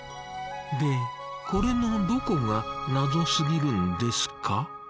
でこれのどこがナゾすぎるんですか？